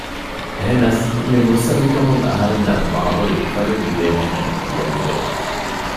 އެހެނަސް މި މުއްސަނދިކަމުން އަހަންނަށް މާ ބޮޑު އުފަލެއް ލިބޭހެނެއް ހިޔެއް ނުވެ